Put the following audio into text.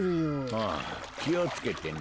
ああきをつけてな。